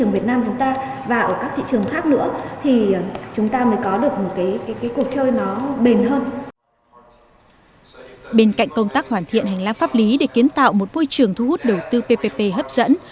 bên cạnh công tác hoàn thiện hành lang pháp lý để kiến tạo một môi trường thu hút đầu tư ppp hấp dẫn